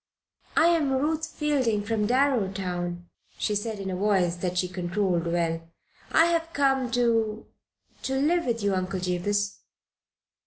"I am Ruth Fielding, from Darrowtown," she said, in a voice that she controlled well. "I have come to to live with you, Uncle Jabez."